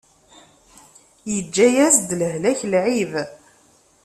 Yeǧǧa-yas-d lehlak lɛib.